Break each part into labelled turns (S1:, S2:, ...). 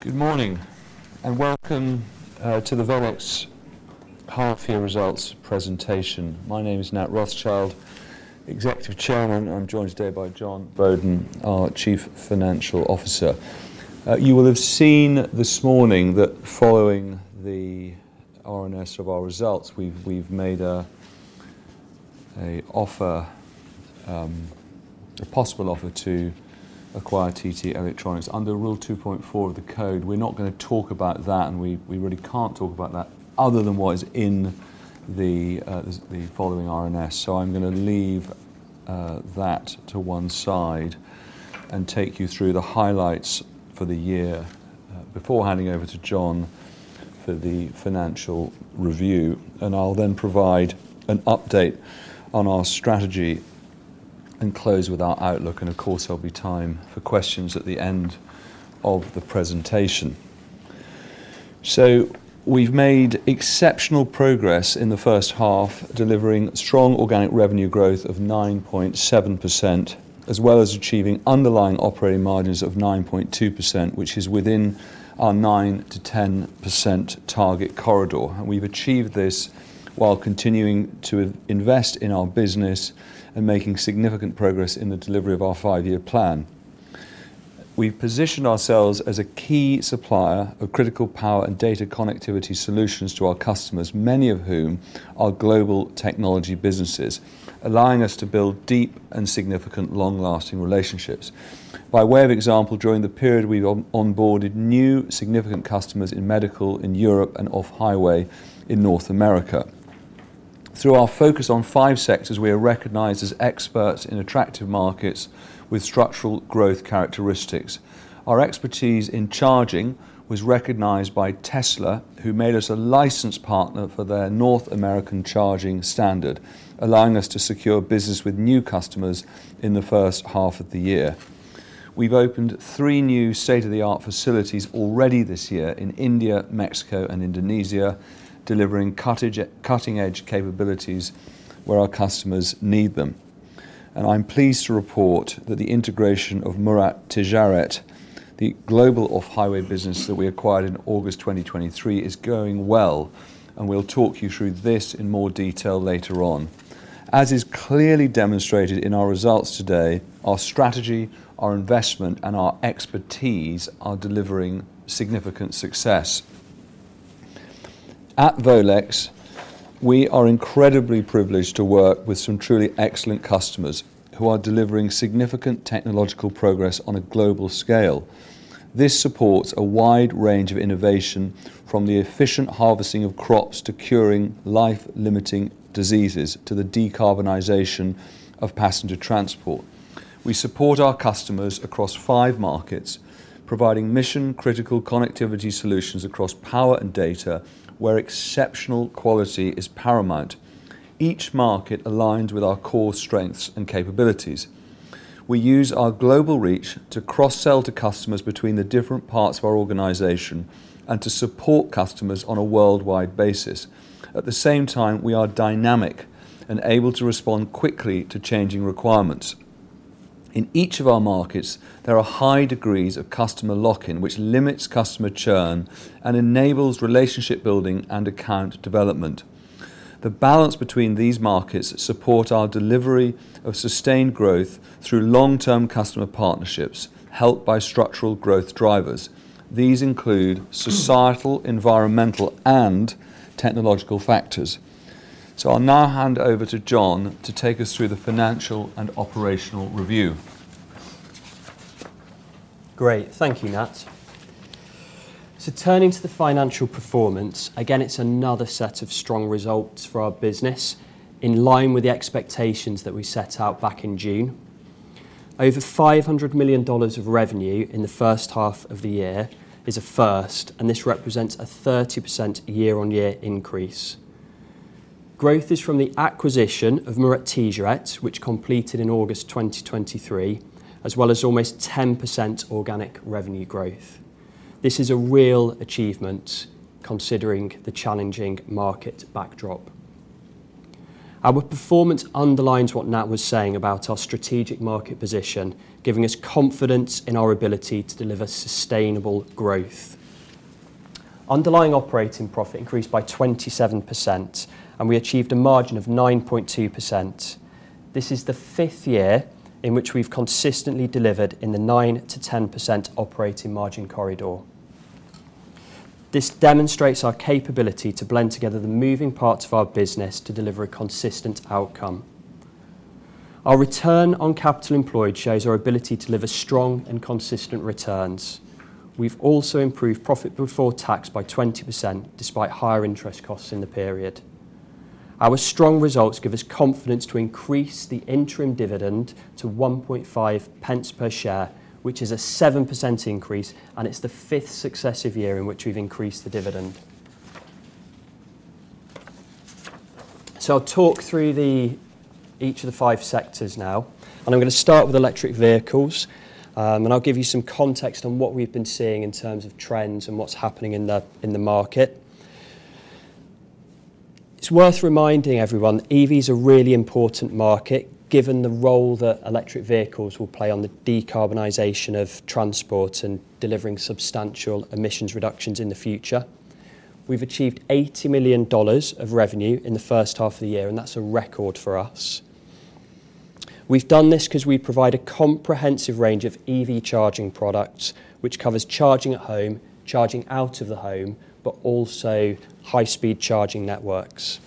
S1: Good morning, and welcome to the Volex half-year results presentation. My name is Nat Rothschild, Executive Chairman. I'm joined today by Jon Boaden, our Chief Financial Officer. You will have seen this morning that following the RNS of our results, we've made a possible offer to acquire TT Electronics. Under Rule 2.4 of the Code, we're not going to talk about that, and we really can't talk about that other than what is in the following RNS. So I'm going to leave that to one side and take you through the highlights for the year before handing over to Jon for the financial review. And I'll then provide an update on our strategy and close with our outlook. And of course, there'll be time for questions at the end of the presentation. So we've made exceptional progress in the first half, delivering strong organic revenue growth of 9.7%, as well as achieving underlying operating margins of 9.2%, which is within our 9%-10% target corridor. And we've achieved this while continuing to invest in our business and making significant progress in the delivery of our five-year plan. We've positioned ourselves as a key supplier of critical power and data connectivity solutions to our customers, many of whom are global technology businesses, allowing us to build deep and significant long-lasting relationships. By way of example, during the period, we've onboarded new significant customers in Medical in Europe Off-Highway in North America. Through our focus on five sectors, we are recognized as experts in attractive markets with structural growth characteristics. Our expertise in charging was recognized by Tesla, who made us a licensed partner for their North American Charging Standard, allowing us to secure business with new customers in the first half of the year. We've opened three new state-of-the-art facilities already this year in India, Mexico, and Indonesia, delivering cutting-edge capabilities where our customers need them. And I'm pleased to report that the integration of Murat Ticaret, the global Off-Highway business that we acquired in August 2023, is going well. And we'll talk you through this in more detail later on. As is clearly demonstrated in our results today, our strategy, our investment, and our expertise are delivering significant success. At Volex, we are incredibly privileged to work with some truly excellent customers who are delivering significant technological progress on a global scale. This supports a wide range of innovation, from the efficient harvesting of crops to curing life-limiting diseases to the decarbonization of passenger transport. We support our customers across five markets, providing mission-critical connectivity solutions across power and data where exceptional quality is paramount. Each market aligns with our core strengths and capabilities. We use our global reach to cross-sell to customers between the different parts of our organization and to support customers on a worldwide basis. At the same time, we are dynamic and able to respond quickly to changing requirements. In each of our markets, there are high degrees of customer lock-in, which limits customer churn and enables relationship building and account development. The balance between these markets supports our delivery of sustained growth through long-term customer partnerships helped by structural growth drivers. These include societal, environmental, and technological factors. So I'll now hand over to Jon to take us through the financial and operational review.
S2: Great. Thank you, Nat. Turning to the financial performance, again, it's another set of strong results for our business in line with the expectations that we set out back in June. Over $500 million of revenue in the first half of the year is a first, and this represents a 30% year-on-year increase. Growth is from the acquisition of Murat Ticaret, which completed in August 2023, as well as almost 10% organic revenue growth. This is a real achievement considering the challenging market backdrop. Our performance underlines what Nat was saying about our strategic market position, giving us confidence in our ability to deliver sustainable growth. Underlying operating profit increased by 27%, and we achieved a margin of 9.2%. This is the fifth year in which we've consistently delivered in the 9%-10% operating margin corridor. This demonstrates our capability to blend together the moving parts of our business to deliver a consistent outcome. Our return on capital employed shows our ability to deliver strong and consistent returns. We've also improved profit before tax by 20% despite higher interest costs in the period. Our strong results give us confidence to increase the interim dividend to 1.5 pence per share, which is a 7% increase, and it's the fifth successive year in which we've increased the dividend. So I'll talk through each of the five sectors now, and I'm going to start with Electric Vehicles, and I'll give you some context on what we've been seeing in terms of trends and what's happening in the market. It's worth reminding everyone that EVs are a really important market given the role that Electric Vehicles will play in the decarbonization of transport and delivering substantial emissions reductions in the future. We've achieved $80 million of revenue in the first half of the year, and that's a record for us. We've done this because we provide a comprehensive range of EV charging products, which covers charging at home, charging out of the home, but also high-speed charging networks.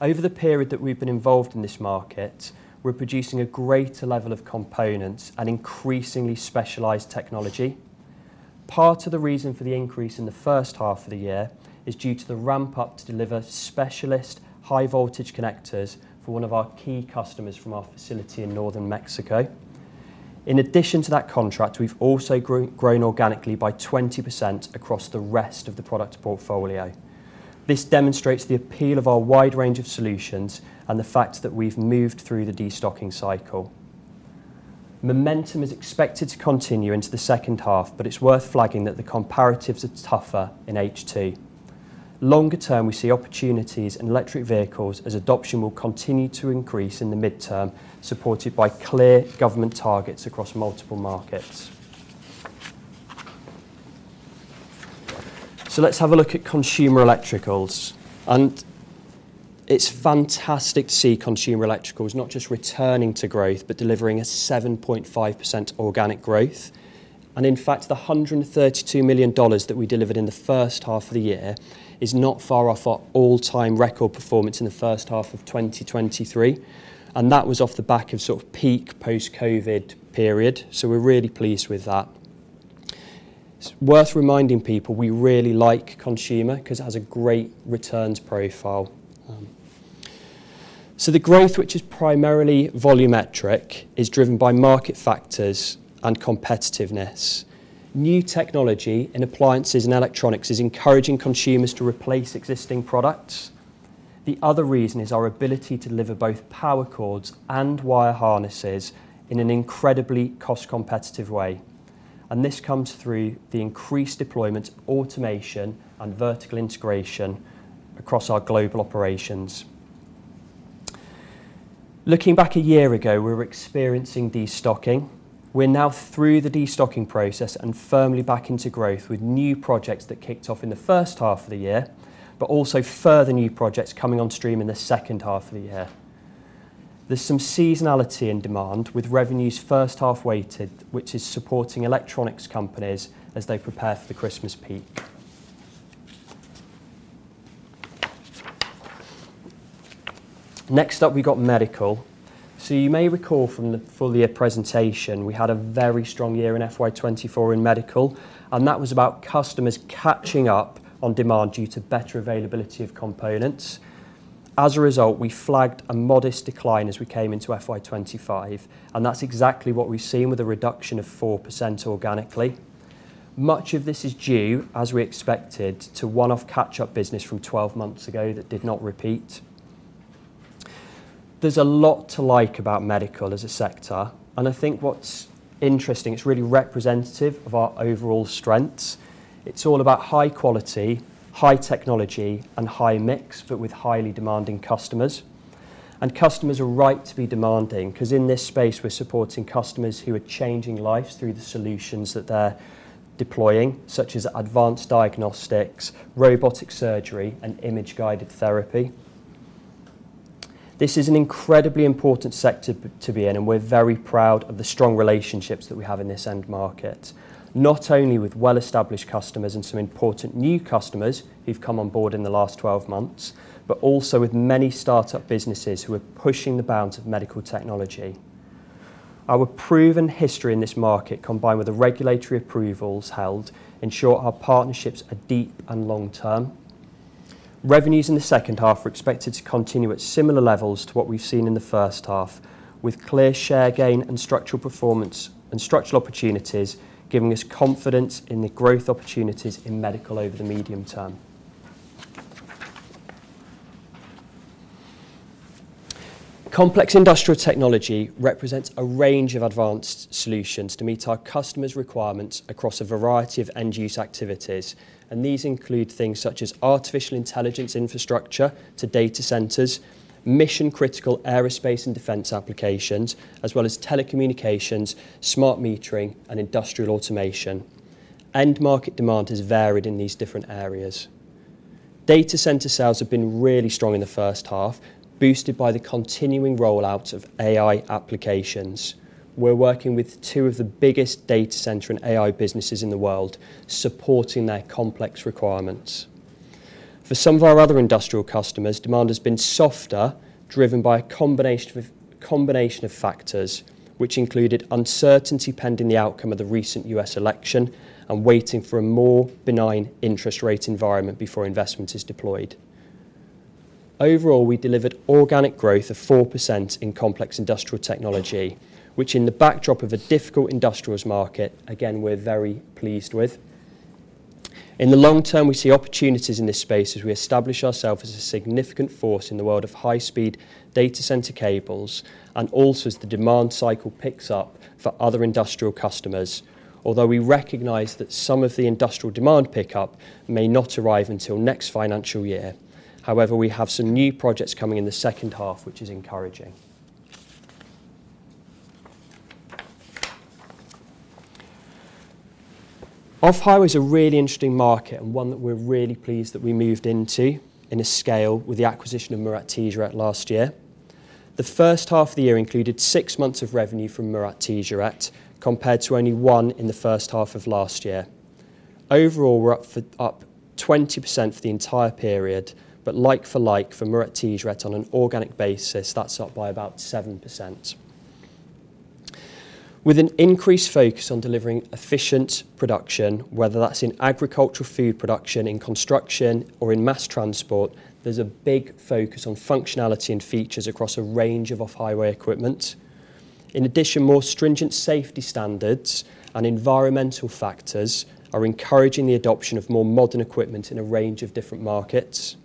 S2: Over the period that we've been involved in this market, we're producing a greater level of components and increasingly specialized technology. Part of the reason for the increase in the first half of the year is due to the ramp-up to deliver specialist high-voltage connectors for one of our key customers from our facility in northern Mexico. In addition to that contract, we've also grown organically by 20% across the rest of the product portfolio. This demonstrates the appeal of our wide range of solutions and the fact that we've moved through the destocking cycle. Momentum is expected to continue into the second half, but it's worth flagging that the comparatives are tougher in H2. Longer term, we see opportunities in Electric Vehicles as adoption will continue to increase in the midterm, supported by clear government targets across multiple markets. So let's have a look at Consumer Electricals. And it's fantastic to see Consumer Electricals not just returning to growth but delivering a 7.5% organic growth. And in fact, the $132 million that we delivered in the first half of the year is not far off our all-time record performance in the first half of 2023. That was off the back of sort of peak post-COVID period. We're really pleased with that. It's worth reminding people we really like consumer because it has a great returns profile. The growth, which is primarily volumetric, is driven by market factors and competitiveness. New technology in appliances and electronics is encouraging consumers to replace existing products. The other reason is our ability to deliver both power cords and wire harnesses in an incredibly cost-competitive way. This comes through the increased deployment of automation and vertical integration across our global operations. Looking back a year ago, we were experiencing destocking. We're now through the destocking process and firmly back into growth with new projects that kicked off in the first half of the year, but also further new projects coming on stream in the second half of the year. There's some seasonality in demand with revenues first half weighted, which is supporting electronics companies as they prepare for the Christmas peak. Next up, we've got Medical. So you may recall from the full-year presentation, we had a very strong year in FY 2024 in Medical, and that was about customers catching up on demand due to better availability of components. As a result, we flagged a modest decline as we came into FY 2025, and that's exactly what we've seen with a reduction of 4% organically. Much of this is due, as we expected, to one-off catch-up business from 12 months ago that did not repeat. There's a lot to like about Medical as a sector, and I think what's interesting, it's really representative of our overall strengths. It's all about high quality, high technology, and high mix, but with highly demanding customers. And customers are right to be demanding because in this space, we're supporting customers who are changing lives through the solutions that they're deploying, such as advanced diagnostics, robotic surgery, and image-guided therapy. This is an incredibly important sector to be in, and we're very proud of the strong relationships that we have in this end market, not only with well-established customers and some important new customers who've come on board in the last 12 months, but also with many startup businesses who are pushing the bounds of medical technology. Our proven history in this market, combined with the regulatory approvals held, ensure our partnerships are deep and long-term. Revenues in the second half are expected to continue at similar levels to what we've seen in the first half, with clear share gain and structural opportunities giving us confidence in the growth opportunities in Medical over the medium term. Complex Industrial Technology represents a range of advanced solutions to meet our customers' requirements across a variety of end-use activities. And these include things such as artificial intelligence infrastructure to data centers, mission-critical aerospace and defense applications, as well as telecommunications, smart metering, and industrial automation. End market demand has varied in these different areas. Data center sales have been really strong in the first half, boosted by the continuing rollout of AI applications. We're working with two of the biggest data center and AI businesses in the world, supporting their complex requirements. For some of our other industrial customers, demand has been softer, driven by a combination of factors, which included uncertainty pending the outcome of the recent U.S. election and waiting for a more benign interest rate environment before investment is deployed. Overall, we delivered organic growth of 4% in complex industrial technology, which in the backdrop of a difficult industrials market, again, we're very pleased with. In the long term, we see opportunities in this space as we establish ourselves as a significant force in the world of high-speed data center cables and also as the demand cycle picks up for other industrial customers, although we recognize that some of the industrial demand pickup may not arrive until next financial year. However, we have some new projects coming in the second half, which is Off-Highway is a really interesting market and one that we're really pleased that we moved into in a scale with the acquisition of Murat Ticaret last year. The first half of the year included six months of revenue from Murat Ticaret, compared to only one in the first half of last year. Overall, we're up 20% for the entire period, but like for like for Murat Ticaret on an organic basis, that's up by about 7%. With an increased focus on delivering efficient production, whether that's in agricultural food production, in construction, or in mass transport, there's a big focus on functionality and features across a range of Off-Highway equipment. In addition, more stringent safety standards and environmental factors are encouraging the adoption of more modern equipment in a range of different markets.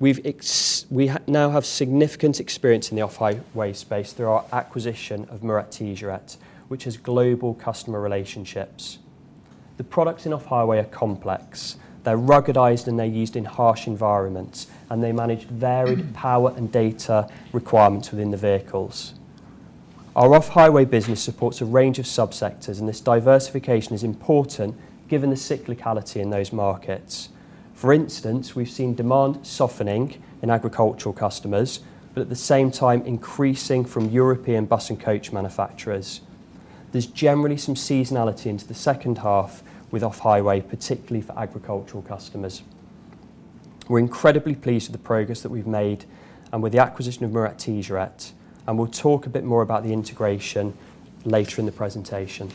S2: We now have significant experience in the Off-Highway space through our acquisition of Murat Ticaret, which has global customer relationships. The products in Off-Highway are complex. They're ruggedized and they're used in harsh environments, and they manage varied power and data requirements within the vehicles. Our Off-Highway business supports a range of subsectors, and this diversification is important given the cyclicality in those markets. For instance, we've seen demand softening in agricultural customers, but at the same time, increasing from European bus and coach manufacturers. There's generally some seasonality into the second half with Off-Highway, particularly for agricultural customers. We're incredibly pleased with the progress that we've made and with the acquisition of Murat Ticaret, and we'll talk a bit more about the integration later in the presentation.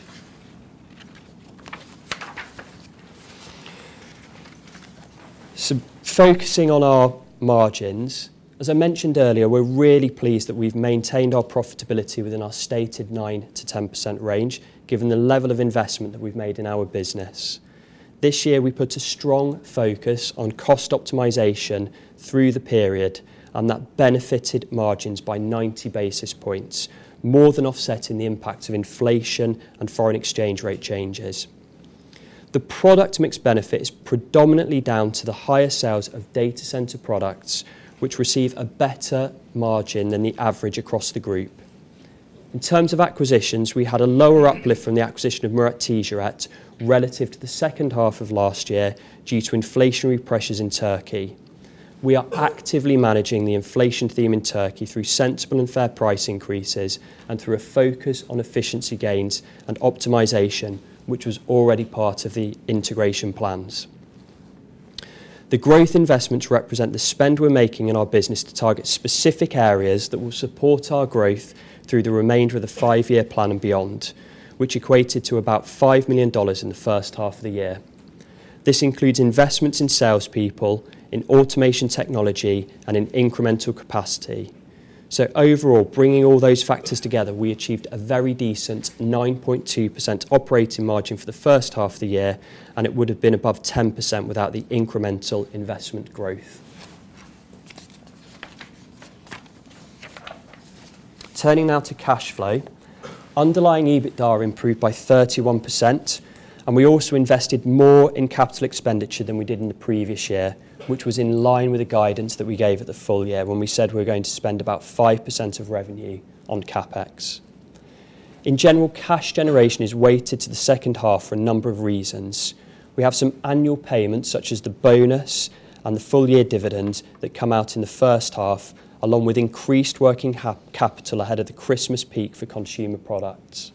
S2: So focusing on our margins, as I mentioned earlier, we're really pleased that we've maintained our profitability within our stated 9%-10% range, given the level of investment that we've made in our business. This year, we put a strong focus on cost optimization through the period, and that benefited margins by 90 basis points, more than offsetting the impact of inflation and foreign exchange rate changes. The product mix benefit is predominantly down to the higher sales of data center products, which receive a better margin than the average across the group. In terms of acquisitions, we had a lower uplift from the acquisition of Murat Ticaret relative to the second half of last year due to inflationary pressures in Turkey. We are actively managing the inflation theme in Turkey through sensible and fair price increases and through a focus on efficiency gains and optimization, which was already part of the integration plans. The growth investments represent the spend we're making in our business to target specific areas that will support our growth through the remainder of the five-year plan and beyond, which equated to about $5 million in the first half of the year. This includes investments in salespeople, in automation technology, and in incremental capacity. So overall, bringing all those factors together, we achieved a very decent 9.2% operating margin for the first half of the year, and it would have been above 10% without the incremental investment growth. Turning now to cash flow, underlying EBITDA improved by 31%, and we also invested more in capital expenditure than we did in the previous year, which was in line with the guidance that we gave at the full year when we said we were going to spend about 5% of revenue on CapEx. In general, cash generation is weighted to the second half for a number of reasons. We have some annual payments such as the bonus and the full-year dividends that come out in the first half, along with increased working capital ahead of the Christmas peak for consumer products.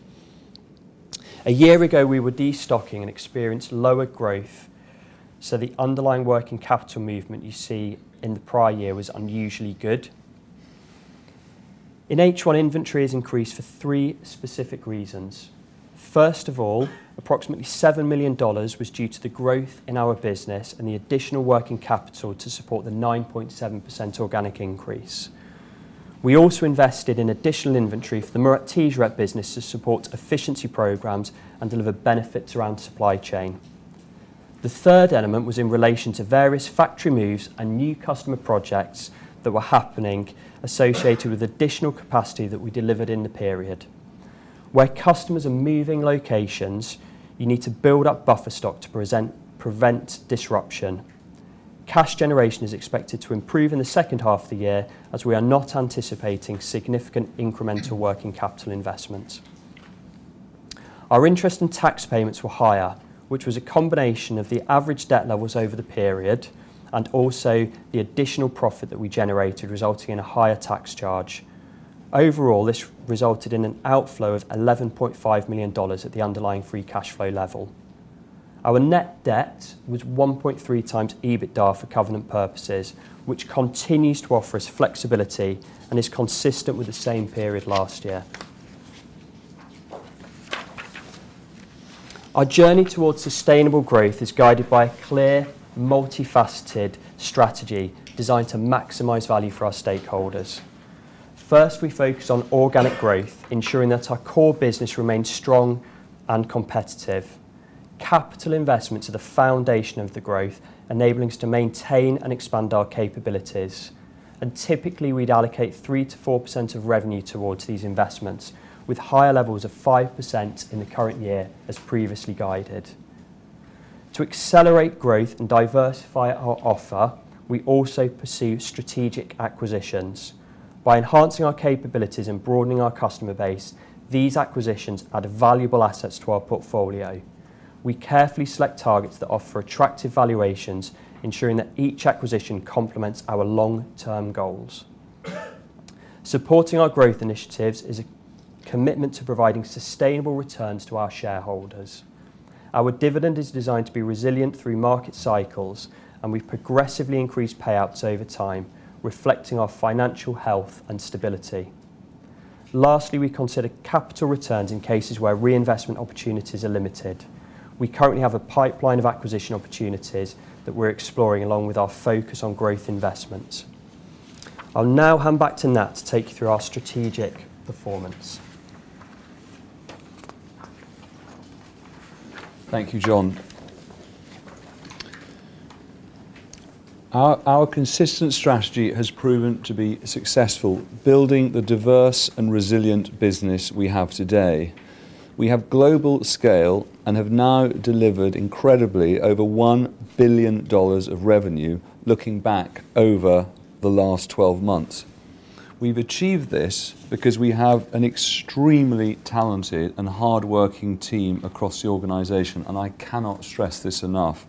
S2: A year ago, we were destocking and experienced lower growth, so the underlying working capital movement you see in the prior year was unusually good. In H1, inventory has increased for three specific reasons. First of all, approximately $7 million was due to the growth in our business and the additional working capital to support the 9.7% organic increase. We also invested in additional inventory for the Murat Ticaret business to support efficiency programs and deliver benefits around supply chain. The third element was in relation to various factory moves and new customer projects that were happening associated with additional capacity that we delivered in the period. Where customers are moving locations, you need to build up buffer stock to prevent disruption. Cash generation is expected to improve in the second half of the year as we are not anticipating significant incremental working capital investments. Our interest and tax payments were higher, which was a combination of the average debt levels over the period and also the additional profit that we generated, resulting in a higher tax charge. Overall, this resulted in an outflow of $11.5 million at the underlying free cash flow level. Our net debt was 1.3x EBITDA for covenant purposes, which continues to offer us flexibility and is consistent with the same period last year. Our journey towards sustainable growth is guided by a clear, multifaceted strategy designed to maximize value for our stakeholders. First, we focus on organic growth, ensuring that our core business remains strong and competitive. Capital investments are the foundation of the growth, enabling us to maintain and expand our capabilities. And typically, we'd allocate 3%-4% of revenue towards these investments, with higher levels of 5% in the current year as previously guided. To accelerate growth and diversify our offer, we also pursue strategic acquisitions. By enhancing our capabilities and broadening our customer base, these acquisitions add valuable assets to our portfolio. We carefully select targets that offer attractive valuations, ensuring that each acquisition complements our long-term goals. Supporting our growth initiatives is a commitment to providing sustainable returns to our shareholders. Our dividend is designed to be resilient through market cycles, and we've progressively increased payouts over time, reflecting our financial health and stability. Lastly, we consider capital returns in cases where reinvestment opportunities are limited. We currently have a pipeline of acquisition opportunities that we're exploring along with our focus on growth investments. I'll now hand back to Nat to take you through our strategic performance.
S1: Thank you, Jon. Our consistent strategy has proven to be successful, building the diverse and resilient business we have today. We have global scale and have now delivered incredibly over $1 billion of revenue looking back over the last 12 months. We've achieved this because we have an extremely talented and hardworking team across the organization, and I cannot stress this enough.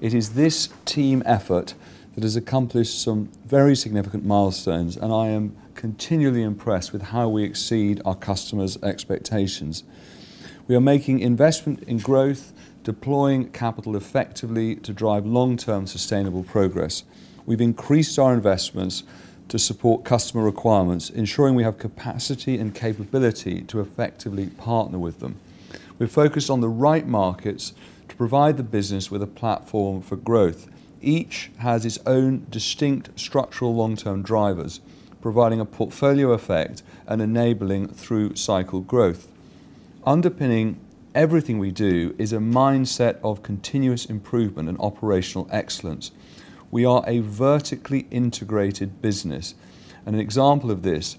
S1: It is this team effort that has accomplished some very significant milestones, and I am continually impressed with how we exceed our customers' expectations. We are making investment in growth, deploying capital effectively to drive long-term sustainable progress. We've increased our investments to support customer requirements, ensuring we have capacity and capability to effectively partner with them. We're focused on the right markets to provide the business with a platform for growth. Each has its own distinct structural long-term drivers, providing a portfolio effect and enabling through cycle growth. Underpinning everything we do is a mindset of continuous improvement and operational excellence. We are a vertically integrated business, and an example of this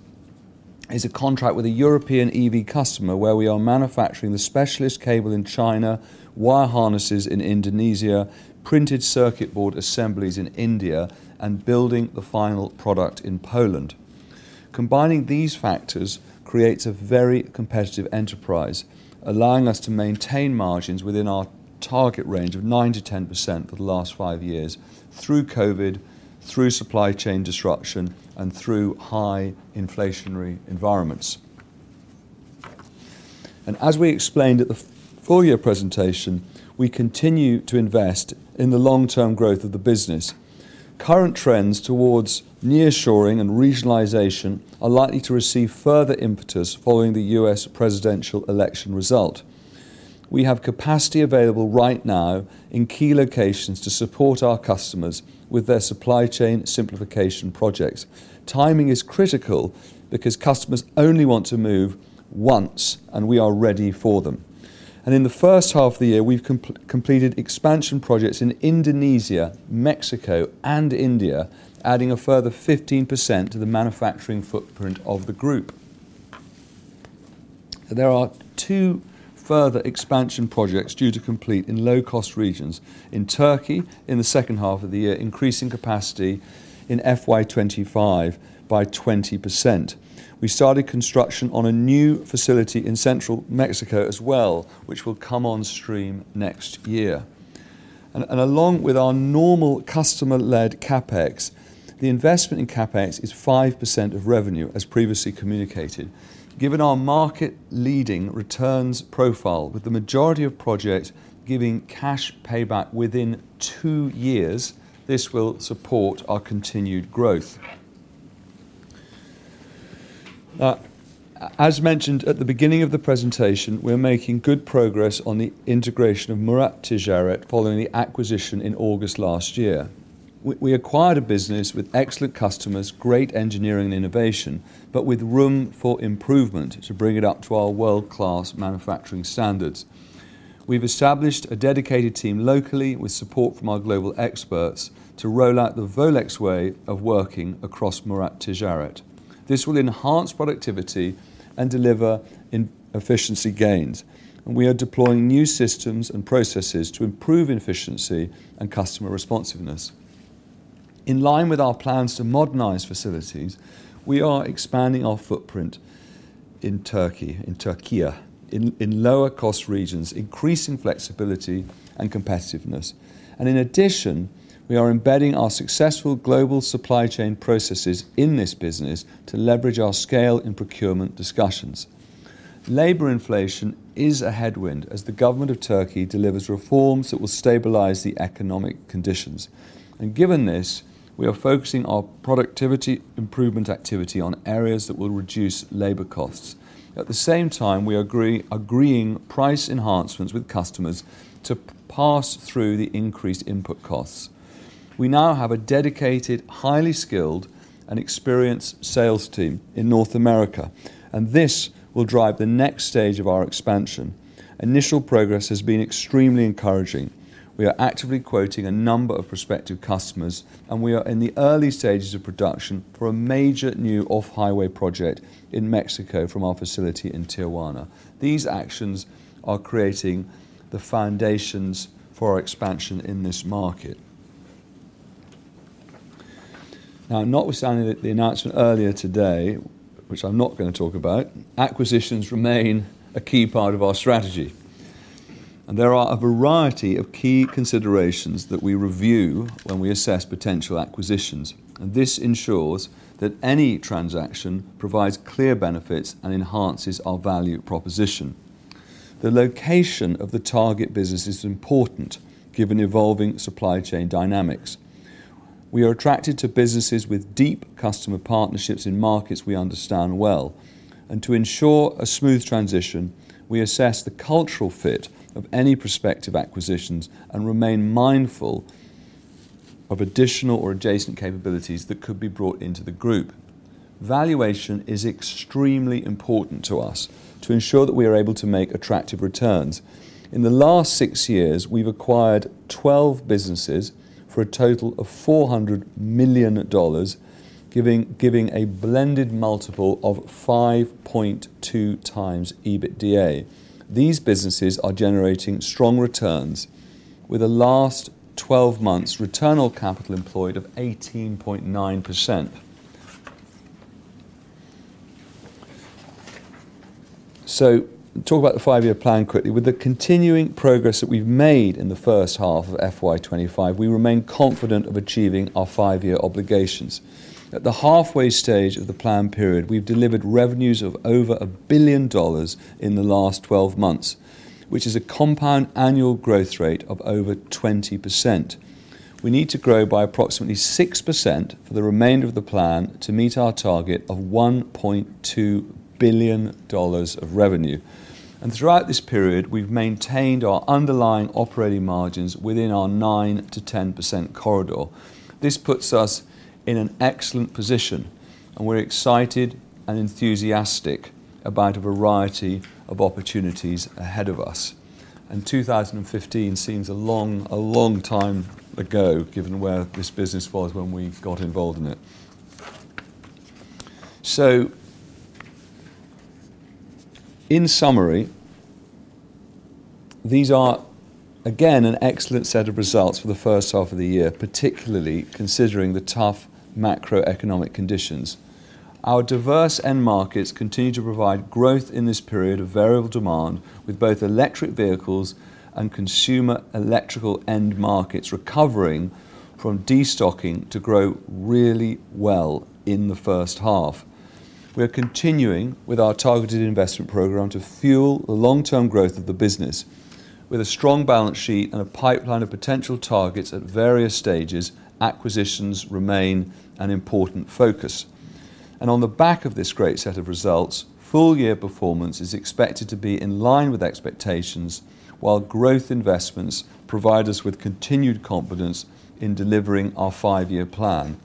S1: is a contract with a European EV customer where we are manufacturing the specialist cable in China, wire harnesses in Indonesia, printed circuit board assemblies in India, and building the final product in Poland. Combining these factors creates a very competitive enterprise, allowing us to maintain margins within our target range of 9%-10% for the last five years through COVID, through supply chain disruption, and through high inflationary environments, and as we explained at the full-year presentation, we continue to invest in the long-term growth of the business. Current trends towards nearshoring and regionalization are likely to receive further impetus following the U.S. presidential election result. We have capacity available right now in key locations to support our customers with their supply chain simplification projects. Timing is critical because customers only want to move once, and we are ready for them, and in the first half of the year, we've completed expansion projects in Indonesia, Mexico, and India, adding a further 15% to the manufacturing footprint of the group. There are two further expansion projects due to complete in low-cost regions in Turkey in the second half of the year, increasing capacity in FY 2025 by 20%. We started construction on a new facility in central Mexico as well, which will come on stream next year, and along with our normal customer-led CapEx, the investment in CapEx is 5% of revenue, as previously communicated. Given our market-leading returns profile with the majority of projects giving cash payback within two years, this will support our continued growth. As mentioned at the beginning of the presentation, we're making good progress on the integration of Murat Ticaret following the acquisition in August last year. We acquired a business with excellent customers, great engineering and innovation, but with room for improvement to bring it up to our world-class manufacturing standards. We've established a dedicated team locally with support from our global experts to roll out the Volex way of working across Murat Ticaret. This will enhance productivity and deliver efficiency gains, and we are deploying new systems and processes to improve efficiency and customer responsiveness. In line with our plans to modernize facilities, we are expanding our footprint in Turkey, in Türkiye, in lower-cost regions, increasing flexibility and competitiveness, and in addition, we are embedding our successful global supply chain processes in this business to leverage our scale in procurement discussions. Labor inflation is a headwind as the government of Turkey delivers reforms that will stabilize the economic conditions. And given this, we are focusing our productivity improvement activity on areas that will reduce labor costs. At the same time, we are agreeing price enhancements with customers to pass through the increased input costs. We now have a dedicated, highly skilled, and experienced sales team in North America, and this will drive the next stage of our expansion. Initial progress has been extremely encouraging. We are actively quoting a number of prospective customers, and we are in the early stages of production for a major new Off-Highway project in Mexico from our facility in Tijuana. These actions are creating the foundations for our expansion in this market. Now, notwithstanding the announcement earlier today, which I'm not going to talk about, acquisitions remain a key part of our strategy. There are a variety of key considerations that we review when we assess potential acquisitions. This ensures that any transaction provides clear benefits and enhances our value proposition. The location of the target business is important given evolving supply chain dynamics. We are attracted to businesses with deep customer partnerships in markets we understand well. To ensure a smooth transition, we assess the cultural fit of any prospective acquisitions and remain mindful of additional or adjacent capabilities that could be brought into the group. Valuation is extremely important to us to ensure that we are able to make attractive returns. In the last six years, we've acquired 12 businesses for a total of $400 million, giving a blended multiple of 5.2x EBITDA. These businesses are generating strong returns with a last 12 months return on capital employed of 18.9%. Talk about the five-year plan quickly. With the continuing progress that we've made in the first half of FY 2025, we remain confident of achieving our five-year obligations. At the halfway stage of the planned period, we've delivered revenues of over $1 billion in the last 12 months, which is a compound annual growth rate of over 20%. We need to grow by approximately 6% for the remainder of the plan to meet our target of $1.2 billion of revenue, and throughout this period, we've maintained our underlying operating margins within our 9%-10% corridor. This puts us in an excellent position, and we're excited and enthusiastic about a variety of opportunities ahead of us, and 2015 seems a long time ago given where this business was when we got involved in it. So in summary, these are, again, an excellent set of results for the first half of the year, particularly considering the tough macroeconomic conditions. Our diverse end markets continue to provide growth in this period of variable demand with both Electric Vehicles and consumer electrical end markets recovering from destocking to grow really well in the first half. We are continuing with our targeted investment program to fuel the long-term growth of the business. With a strong balance sheet and a pipeline of potential targets at various stages, acquisitions remain an important focus. And on the back of this great set of results, full-year performance is expected to be in line with expectations while growth investments provide us with continued confidence in delivering our five-year plan.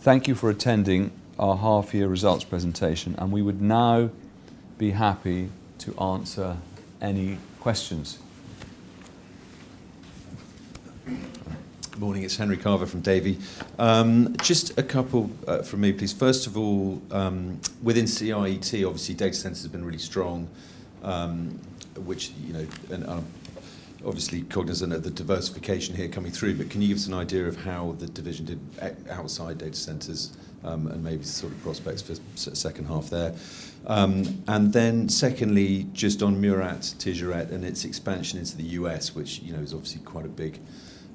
S1: Thank you for attending our half-year results presentation, and we would now be happy to answer any questions.
S3: Good morning. It's Henry Carver from Davy. Just a couple from me, please. First of all, within CIT, obviously, data centers have been really strong, which obviously cognizant of the diversification here coming through. But can you give us an idea of how the division did outside data centers and maybe sort of prospects for the second half there? And then secondly, just on Murat Ticaret and its expansion into the U.S., which is obviously quite a big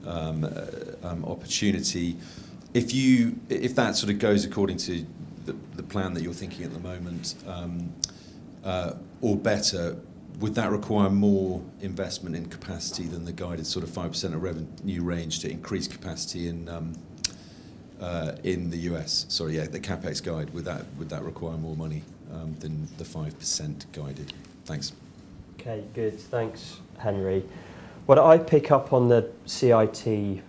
S3: opportunity. If that sort of goes according to the plan that you're thinking at the moment, or better, would that require more investment in capacity than the guided sort of 5% of revenue range to increase capacity in the U.S.? Sorry, yeah, the CapEx guide, would that require more money than the 5% guided? Thanks.
S2: Okay. Good. Thanks, Henry. What I pick up on the CIT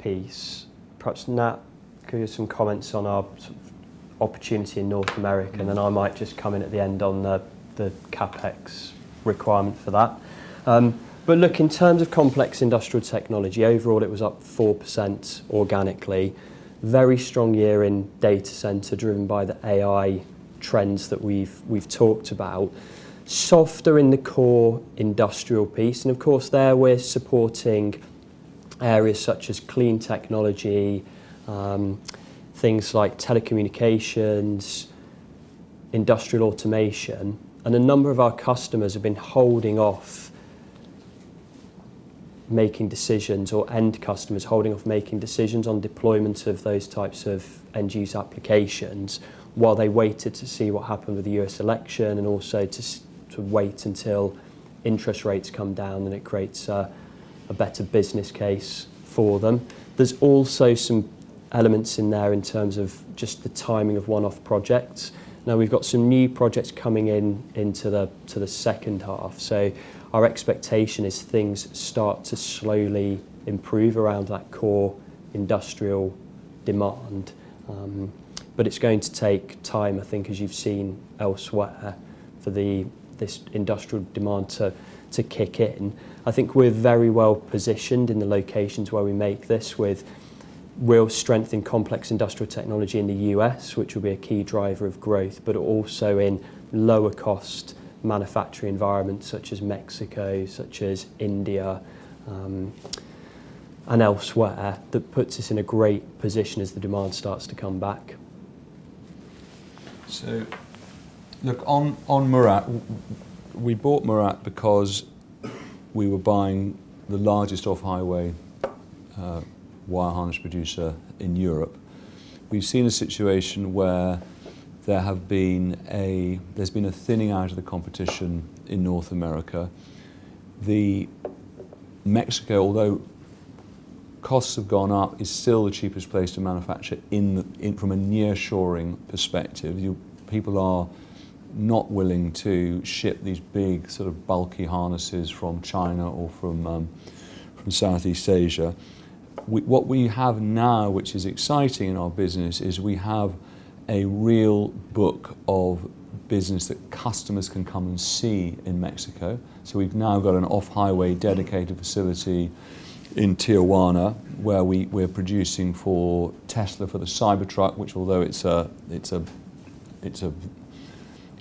S2: piece, perhaps Nat, give you some comments on our opportunity in North America, and then I might just come in at the end on the CapEx requirement for that. But look, in terms of complex industrial technology, overall, it was up 4% organically. Very strong year in data center driven by the AI trends that we've talked about. Softer in the core industrial piece. And of course, there we're supporting areas such as clean technology, things like telecommunications, industrial automation. And a number of our customers have been holding off making decisions or end customers holding off making decisions on deployments of those types of end-use applications while they waited to see what happened with the U.S. election and also to wait until interest rates come down and it creates a better business case for them. There's also some elements in there in terms of just the timing of one-off projects. Now we've got some new projects coming in into the second half. So our expectation is things start to slowly improve around that core industrial demand. But it's going to take time, I think, as you've seen elsewhere, for this industrial demand to kick in. I think we're very well positioned in the locations where we make this with real strength in complex industrial technology in the U.S., which will be a key driver of growth, but also in lower-cost manufacturing environments such as Mexico, such as India, and elsewhere that puts us in a great position as the demand starts to come back.
S1: So look, on Murat, we bought Murat because we were buying the largest Off-Highway wire harness producer in Europe. We've seen a situation where there's been a thinning out of the competition in North America. Mexico, although costs have gone up, is still the cheapest place to manufacture from a nearshoring perspective. People are not willing to ship these big sort of bulky harnesses from China or from Southeast Asia. What we have now, which is exciting in our business, is we have a real book of business that customers can come and see in Mexico. So we've now got an Off-Highway dedicated facility in Tijuana where we're producing for Tesla for the Cybertruck, which, although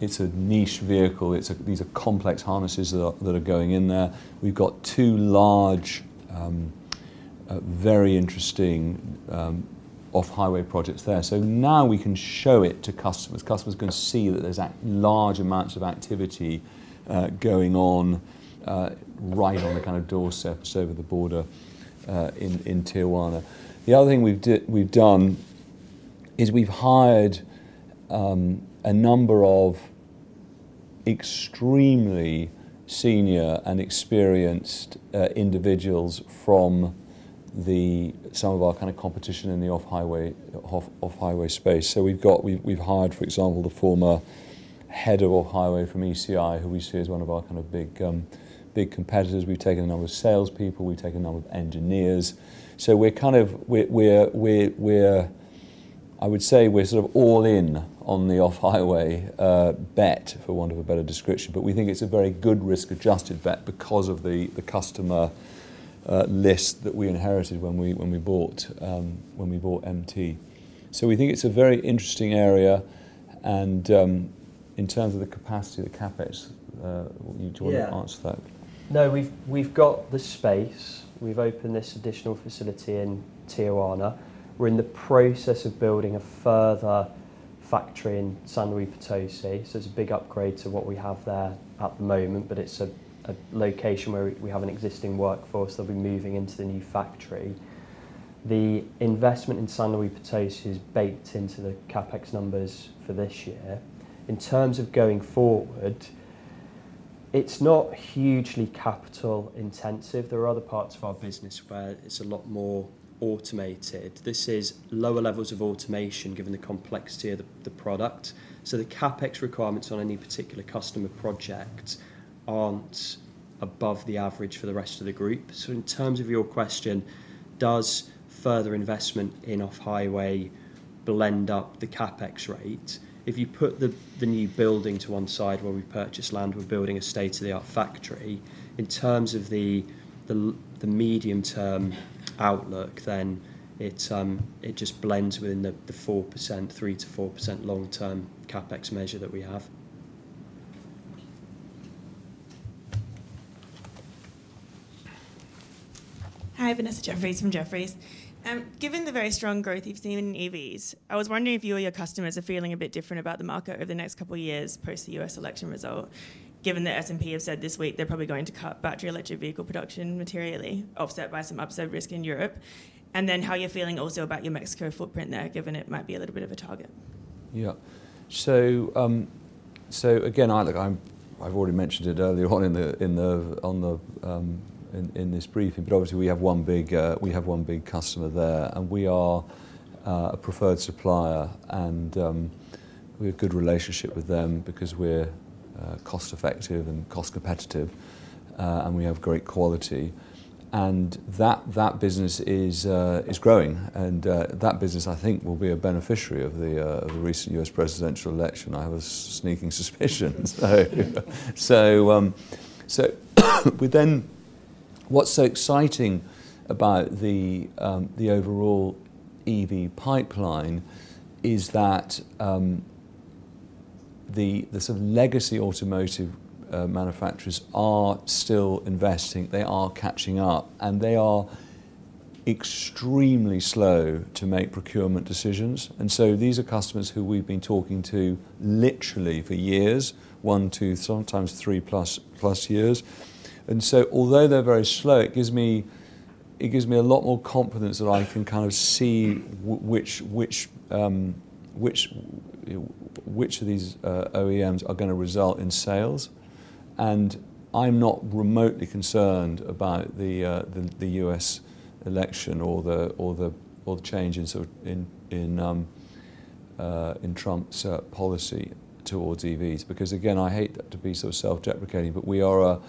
S1: it's a niche vehicle, these are complex harnesses that are going in there. We've got two large, very interesting Off-Highway projects there. So now we can show it to customers. Customers can see that there's large amounts of activity going on right on the kind of doorstep over the border in Tijuana. The other thing we've done is we've hired a number of extremely senior and experienced individuals from some of our kind of competition in the Off-Highway space. So we've hired, for example, the former head of Off-Highway from ECI, who we see as one of our kind of big competitors. We've taken a number of salespeople. We've taken a number of engineers. So we're kind of, I would say we're sort of all in on the Off-Highway bet for want of a better description, but we think it's a very good risk-adjusted bet because of the customer list that we inherited when we bought MT. So we think it's a very interesting area, and in terms of the capacity, the CapEx, do you want to answer that?
S2: Yeah. No, we've got the space. We've opened this additional facility in Tijuana. We're in the process of building a further factory in San Luis Potosí. So it's a big upgrade to what we have there at the moment, but it's a location where we have an existing workforce. They'll be moving into the new factory. The investment in San Luis Potosí is baked into the CapEx numbers for this year. In terms of going forward, it's not hugely capital-intensive. There are other parts of our business where it's a lot more automated. This is lower levels of automation given the complexity of the product. So the CapEx requirements on any particular customer project aren't above the average for the rest of the group. So in terms of your question, does further investment in Off-Highway blend up the CapEx rate? If you put the new building to one side where we purchase land, we're building a state-of-the-art factory. In terms of the medium-term outlook, then it just blends within the 3%-4% long-term CapEx measure that we have.
S4: Hi, Vanessa Jefferies from Jefferies. Given the very strong growth you've seen in EVs, I was wondering if you or your customers are feeling a bit different about the market over the next couple of years post the U.S. election result, given that S&P have said this week they're probably going to cut battery electric vehicle production materially, offset by some upside risk in Europe. And then how you're feeling also about your Mexico footprint there, given it might be a little bit of a target.
S1: Yeah. Again, I've already mentioned it earlier on in this briefing, but obviously we have one big customer there, and we are a preferred supplier. And we have a good relationship with them because we're cost-effective and cost-competitive, and we have great quality. And that business is growing. And that business, I think, will be a beneficiary of the recent U.S. presidential election. I have a sneaking suspicion. So what's so exciting about the overall EV pipeline is that the sort of legacy automotive manufacturers are still investing. They are catching up. And they are extremely slow to make procurement decisions. And so these are customers who we've been talking to literally for years, one, two, sometimes three plus years. And so although they're very slow, it gives me a lot more confidence that I can kind of see which of these OEMs are going to result in sales. And I'm not remotely concerned about the U.S. election or the change in Trump's policy towards EVs. Because again, I hate to be sort of self-deprecating, but we are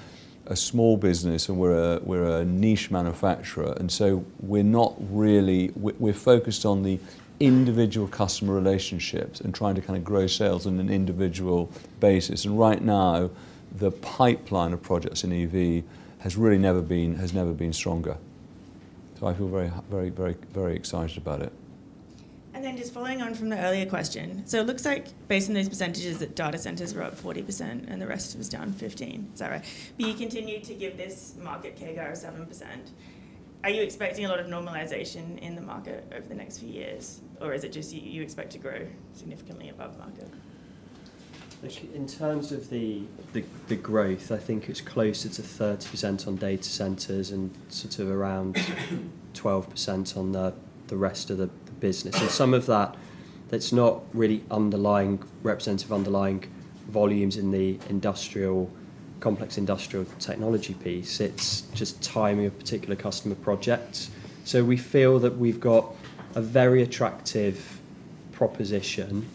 S1: a small business, and we're a niche manufacturer, and so we're not really focused on the individual customer relationships and trying to kind of grow sales on an individual basis, and right now, the pipeline of projects in EV has really never been stronger, so I feel very, very, very excited about it.
S4: And then just following on from the earlier question, so it looks like based on those percentages, data centers were up 40%, and the rest was down 15%. Is that right? But you continue to give this market CAGR of 7%. Are you expecting a lot of normalization in the market over the next few years, or is it just you expect to grow significantly above market?
S2: In terms of the growth, I think it's closer to 30% on data centers and sort of around 12% on the rest of the business. And some of that, that's not really representative underlying volumes in the Complex Industrial Technology piece. It's just timing of particular customer projects. So we feel that we've got a very attractive proposition,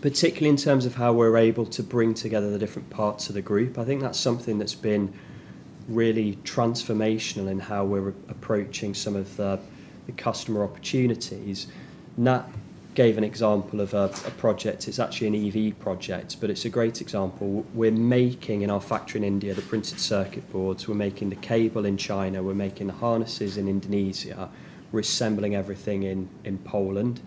S2: particularly in terms of how we're able to bring together the different parts of the group. I think that's something that's been really transformational in how we're approaching some of the customer opportunities. Nat gave an example of a project. It's actually an EV project, but it's a great example. We're making in our factory in India the printed circuit boards. We're making the cable in China. We're making the harnesses in Indonesia. We're assembling everything in Poland.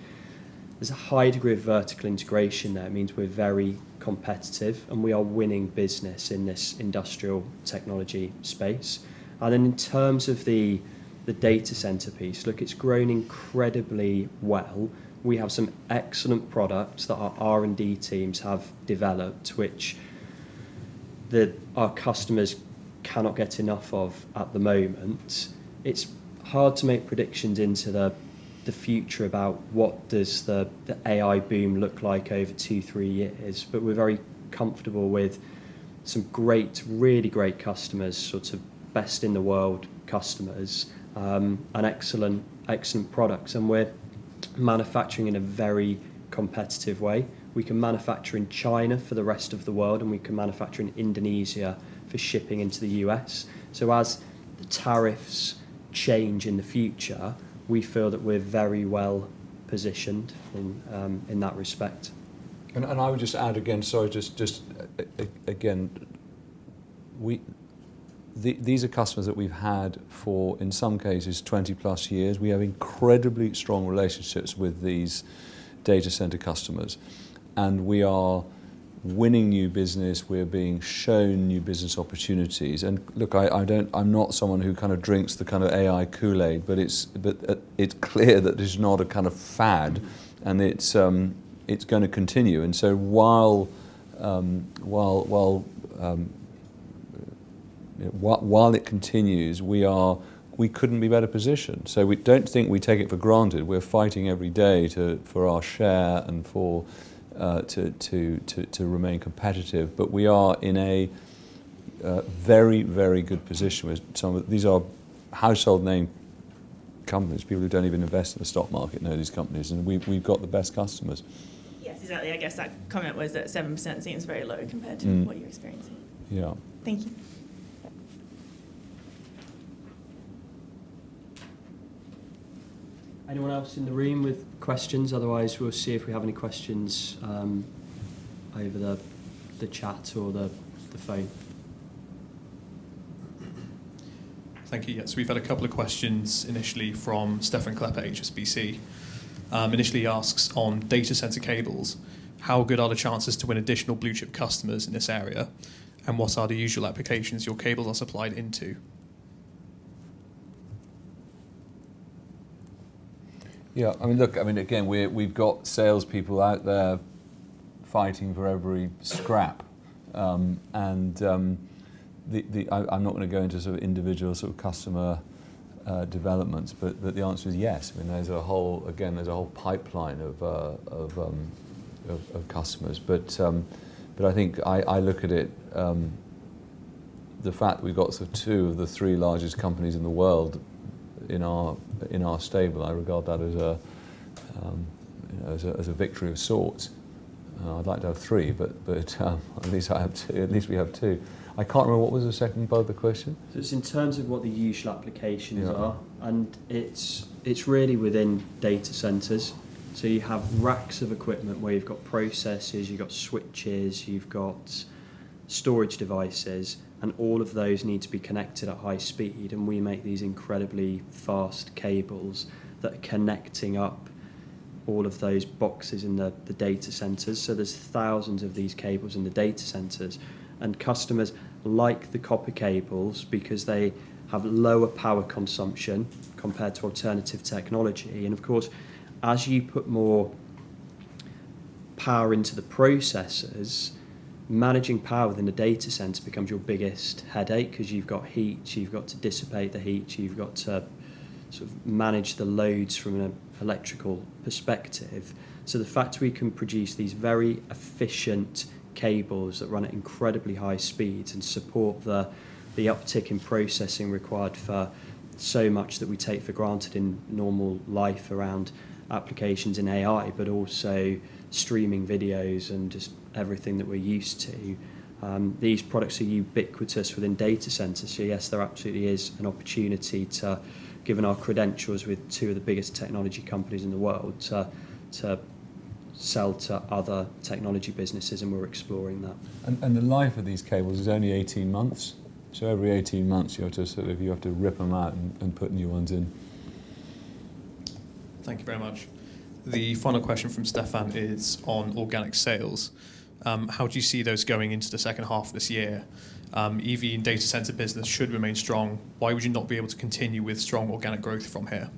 S2: There's a high degree of vertical integration there. It means we're very competitive, and we are winning business in this industrial technology space, and then in terms of the data center piece, look, it's grown incredibly well. We have some excellent products that our R&D teams have developed, which our customers cannot get enough of at the moment. It's hard to make predictions into the future about what does the AI boom look like over two, three years, but we're very comfortable with some great, really great customers, sort of best-in-the-world customers, and excellent products, and we're manufacturing in a very competitive way. We can manufacture in China for the rest of the world, and we can manufacture in Indonesia for shipping into the U.S., so as the tariffs change in the future, we feel that we're very well positioned in that respect.
S1: I would just add again, these are customers that we've had for, in some cases, 20+ years. We have incredibly strong relationships with these data center customers. And we are winning new business. We're being shown new business opportunities. And look, I'm not someone who kind of drinks the kind of AI Kool-Aid, but it's clear that this is not a kind of fad, and it's going to continue. And so while it continues, we couldn't be better positioned. So we don't think we take it for granted. We're fighting every day for our share and to remain competitive. But we are in a very, very good position. These are household-name companies. People who don't even invest in the stock market know these companies. And we've got the best customers. Yes, exactly.
S4: I guess that comment was that 7% seems very low compared to what you're experiencing.
S1: Yeah.
S4: Thank you.
S5: Anyone else in the room with questions? Otherwise, we'll see if we have any questions over the chat or the phone. Thank you. Yes, we've had a couple of questions initially from Stephan Klepp, HSBC. Initially, he asks on data center cables, how good are the chances to win additional blue-chip customers in this area? And what are the usual applications your cables are supplied into?
S1: Yeah. I mean, look, I mean, again, we've got salespeople out there fighting for every scrap. And I'm not going to go into sort of individual sort of customer developments, but the answer is yes. I mean, again, there's a whole pipeline of customers. But I think I look at it, the fact that we've got sort of two of the three largest companies in the world in our stable. I regard that as a victory of sorts. I'd like to have three, but at least we have two. I can't remember what was the second part of the question.
S2: So it's in terms of what the usual applications are. And it's really within data centers. So you have racks of equipment where you've got processors, you've got switches, you've got storage devices, and all of those need to be connected at high speed. And we make these incredibly fast cables that are connecting up all of those boxes in the data centers. So there's thousands of these cables in the data centers. And customers like the copper cables because they have lower power consumption compared to alternative technology. And of course, as you put more power into the processors, managing power within the data center becomes your biggest headache because you've got heat, you've got to dissipate the heat, you've got to sort of manage the loads from an electrical perspective. So the fact we can produce these very efficient cables that run at incredibly high speeds and support the uptick in processing required for so much that we take for granted in normal life around applications in AI, but also streaming videos and just everything that we're used to. These products are ubiquitous within data centers. So yes, there absolutely is an opportunity to, given our credentials with two of the biggest technology companies in the world, to sell to other technology businesses. And we're exploring that.
S1: And the life of these cables is only 18 months. So every 18 months, you have to sort of rip them out and put new ones in.
S5: Thank you very much. The final question from Stephan is on organic sales. How do you see those going into the second half of this year? EV and data center business should remain strong. Why would you not be able to continue with strong organic growth from here?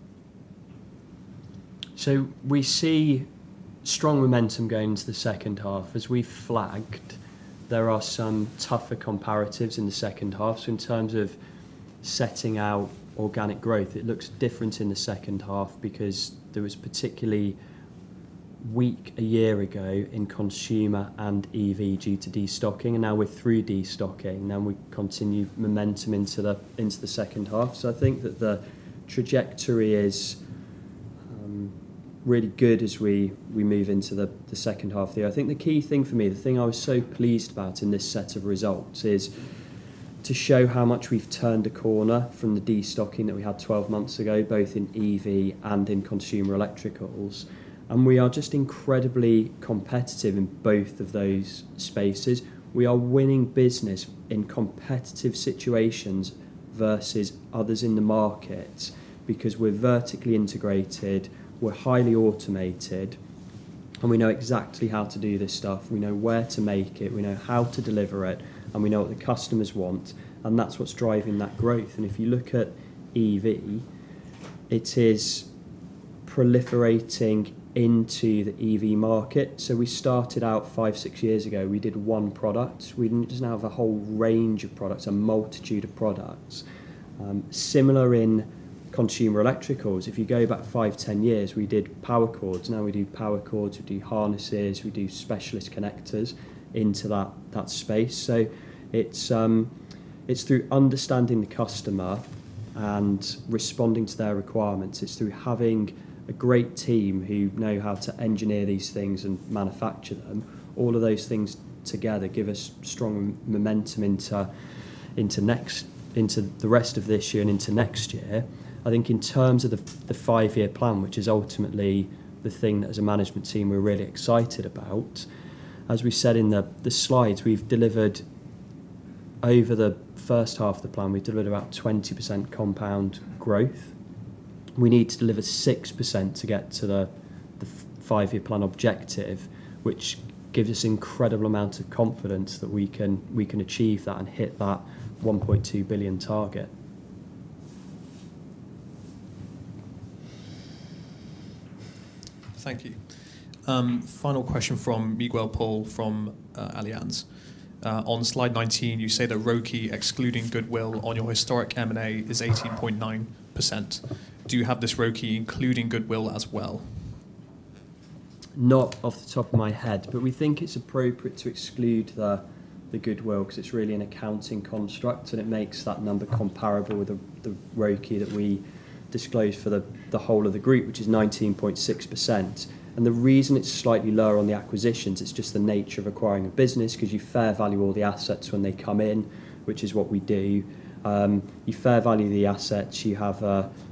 S2: So we see strong momentum going into the second half. As we've flagged, there are some tougher comparatives in the second half. So in terms of setting out organic growth, it looks different in the second half because there was particularly weak a year ago in consumer and EV due to destocking. And now we're through destocking, and we continue momentum into the second half. So I think that the trajectory is really good as we move into the second half of the year. I think the key thing for me, the thing I was so pleased about in this set of results, is to show how much we've turned a corner from the destocking that we had 12 months ago, both in EV and in Consumer Electricals, and we are just incredibly competitive in both of those spaces. We are winning business in competitive situations versus others in the market because we're vertically integrated, we're highly automated, and we know exactly how to do this stuff. We know where to make it, we know how to deliver it, and we know what the customers want, and that's what's driving that growth, and if you look at EV, it is proliferating into the EV market, so we started out five, six years ago, we did one product. We do now have a whole range of products, a multitude of products. Similar in Consumer Electricals, if you go back five, 10 years, we did power cords. Now we do power cords, we do harnesses, we do specialist connectors into that space. So it's through understanding the customer and responding to their requirements. It's through having a great team who know how to engineer these things and manufacture them. All of those things together give us strong momentum into the rest of this year and into next year. I think in terms of the five-year plan, which is ultimately the thing that as a management team, we're really excited about. As we said in the slides, we've delivered over the first half of the plan, we've delivered about 20% compound growth. We need to deliver 6% to get to the five-year plan objective, which gives us an incredible amount of confidence that we can achieve that and hit that $1.2 billion target.
S5: Thank you. Final question from Miguel Pohl from Allianz. On slide 19, you say the ROCE excluding goodwill on your historic M&A is 18.9%. Do you have this ROCE including goodwill as well?
S2: Not off the top of my head, but we think it's appropriate to exclude the goodwill because it's really an accounting construct, and it makes that number comparable with the ROCE that we disclose for the whole of the group, which is 19.6%, and the reason it's slightly lower on the acquisitions, it's just the nature of acquiring a business because you fair value all the assets when they come in, which is what we do. You fair value the assets, you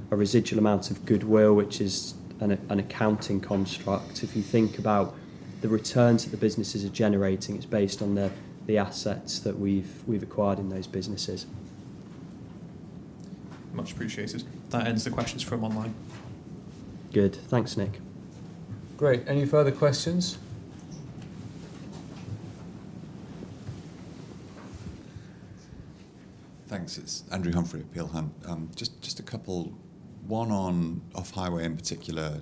S2: have a residual amount of goodwill, which is an accounting construct. If you think about the returns that the businesses are generating, it's based on the assets that we've acquired in those businesses.
S5: Much appreciated. That ends the questions from online.
S2: Good. Thanks, Nick.
S1: Great. Any further questions?
S6: Thanks. It's Andrew Humphrey at Peel Hunt. Just a couple, one Off-Highway in particular.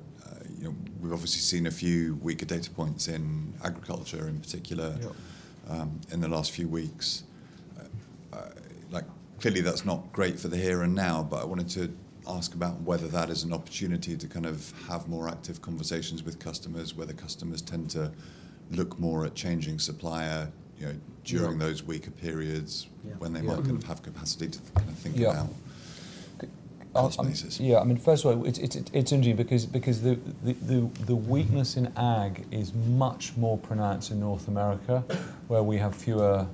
S6: We've obviously seen a few weaker data points in agriculture in particular in the last few weeks. Clearly, that's not great for the here and now, but I wanted to ask about whether that is an opportunity to kind of have more active conversations with customers, whether customers tend to look more at changing supplier during those weaker periods when they might kind of have capacity to kind of think about other spaces.
S1: Yeah. I mean, first of all, it's interesting because the weakness in ag is much more pronounced in North America, where we have fewer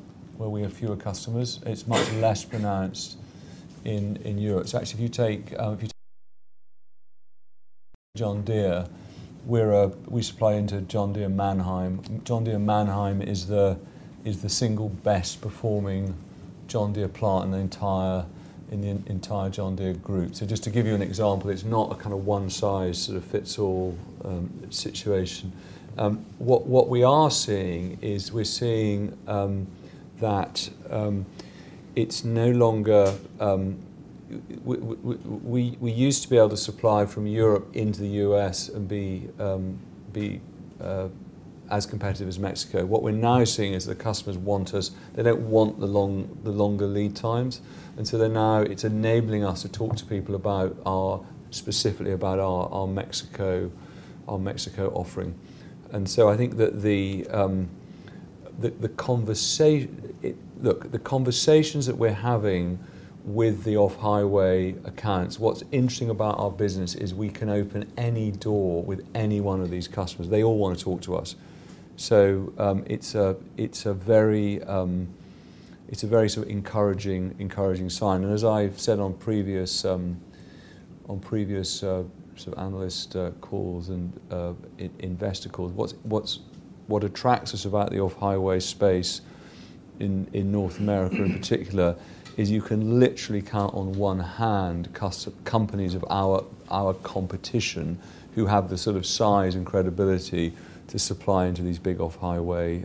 S1: customers. It's much less pronounced in Europe. So actually, if you take John Deere, we supply into John Deere Mannheim. John Deere Mannheim is the single best-performing John Deere plant in the entire John Deere group. So just to give you an example, it's not a kind of one-size-fits-all situation. What we are seeing is we're seeing that it's no longer we used to be able to supply from Europe into the U.S. and be as competitive as Mexico. What we're now seeing is the customers want us. They don't want the longer lead times. And so now it's enabling us to talk to people specifically about our Mexico offering. And so I think that the conversations that we're having with the Off-Highway accounts, what's interesting about our business is we can open any door with any one of these customers. They all want to talk to us. So it's a very sort of encouraging sign. As I've said on previous sort of analyst calls and investor calls, what attracts us about the Off-Highway space in North America in particular is you can literally count on one hand companies of our competition who have the sort of size and credibility to supply into these big Off-Highway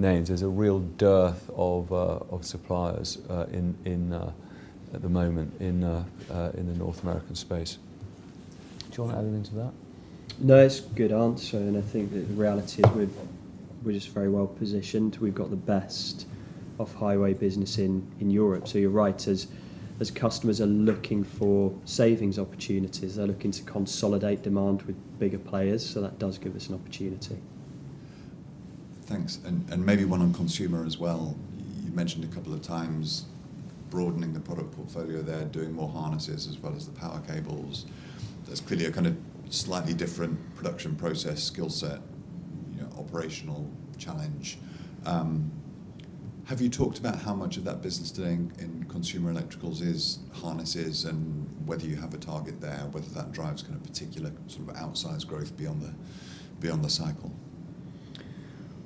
S1: names. There's a real dearth of suppliers at the moment in the North American space. Do you want to add anything to that?
S2: No, it's a good answer. And I think the reality is we're just very well positioned. We've got the best Off-Highway business in Europe. So you're right, as customers are looking for savings opportunities, they're looking to consolidate demand with bigger players. So that does give us an opportunity.
S6: Thanks. And maybe one on consumer as well. You mentioned a couple of times broadening the product portfolio there, doing more harnesses as well as the power cables. That's clearly a kind of slightly different production process skill set, operational challenge. Have you talked about how much of that business today in Consumer Electricals is harnesses and whether you have a target there, whether that drives kind of particular sort of outsized growth beyond the cycle?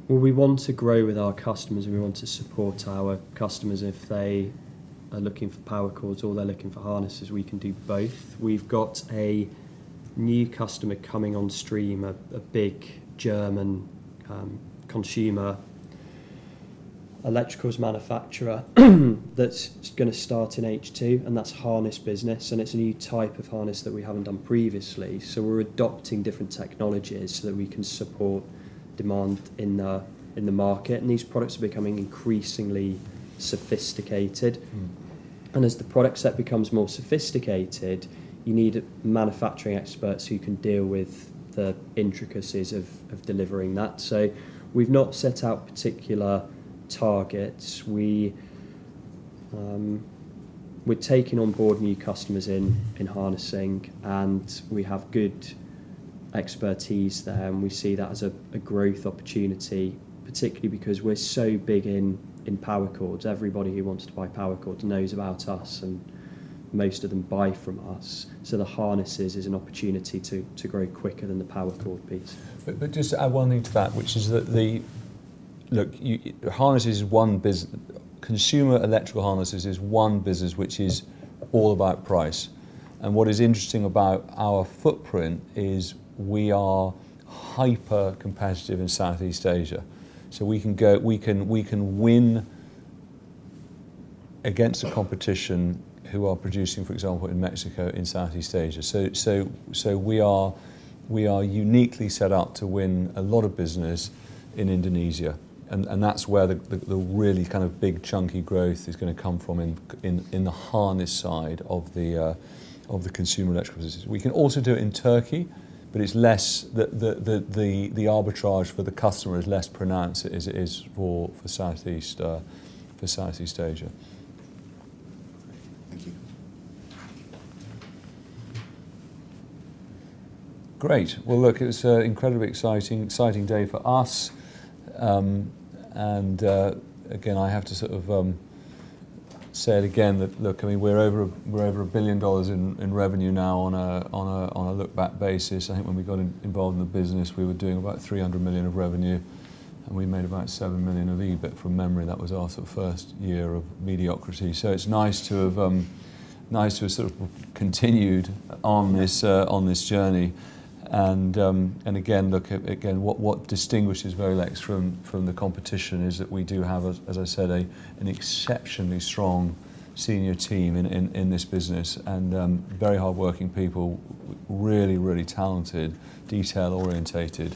S2: Well, we want to grow with our customers. We want to support our customers. If they are looking for power cords or they're looking for harnesses, we can do both. We've got a new customer coming on stream, a big German Consumer Electricals manufacturer that's going to start in H2, and that's harness business. And it's a new type of harness that we haven't done previously. So we're adopting different technologies so that we can support demand in the market. And these products are becoming increasingly sophisticated. And as the product set becomes more sophisticated, you need manufacturing experts who can deal with the intricacies of delivering that. So we've not set out particular targets. We're taking on board new customers in harnessing, and we have good expertise there. And we see that as a growth opportunity, particularly because we're so big in power cords. Everybody who wants to buy power cords knows about us, and most of them buy from us. So the harnesses is an opportunity to grow quicker than the power cord piece.
S1: But just add one thing to that, which is that the look, consumer electrical harnesses is one business which is all about price. And what is interesting about our footprint is we are hyper-competitive in Southeast Asia. So we can win against the competition who are producing, for example, in Mexico, in Southeast Asia. We are uniquely set up to win a lot of business in Indonesia. And that's where the really kind of big chunky growth is going to come from in the harness side of the consumer electrical business. We can also do it in Turkey, but the arbitrage for the customer is less pronounced for Southeast Asia.
S6: Thank you.
S1: Great. Well, look, it was an incredibly exciting day for us. And again, I have to sort of say it again that, look, I mean, we're over $1 billion in revenue now on a look-back basis. I think when we got involved in the business, we were doing about $300 million of revenue, and we made about $7 million of EBIT from memory. That was our sort of first year of mediocrity. So it's nice to sort of continued on this journey. And again, look, what distinguishes Volex from the competition is that we do have, as I said, an exceptionally strong senior team in this business and very hardworking people, really, really talented, detail oriented.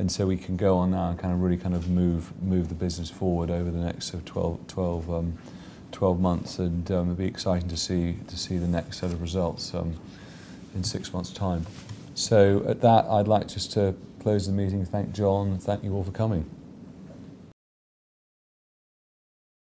S1: And so we can go on now and kind of really kind of move the business forward over the next sort of 12 months. And it'll be exciting to see the next set of results in six months' time. So at that, I'd like just to close the meeting. Thank Jon. Thank you all for coming.